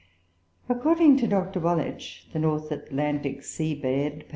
According to Dr. Wallich ("The North Atlantic Sea Bed," p.